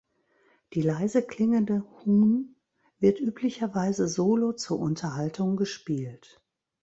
Die leise klingende "hun" wird üblicherweise solo zur Unterhaltung gespielt.